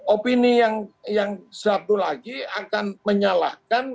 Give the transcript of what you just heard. opini yang satu lagi akan menyalahkan